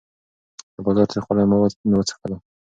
د بازار تریخوالی مې وڅکلو.